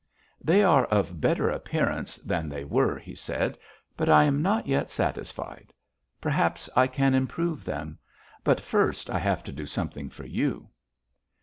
"'They are of better appearance than they were,' he said, 'but I am not yet satisfied. Perhaps I can improve them; but first I have to do something for you.'